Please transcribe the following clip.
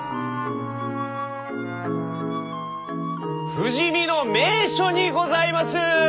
富士見の名所にございます！